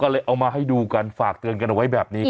ก็เลยเอามาให้ดูกันฝากเตือนกันเอาไว้แบบนี้